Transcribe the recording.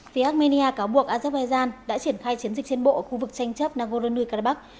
phía armenia cáo buộc azerbaijan đã triển khai chiến dịch trên bộ ở khu vực tranh chấp nagorno karabakh